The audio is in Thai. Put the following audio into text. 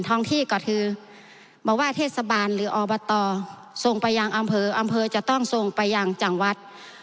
ท้องที่ก็คือบอกว่าเทศบาลหรืออบตส่งไปยังอำเภออำเภอจะต้องส่งไปยังจังหวัด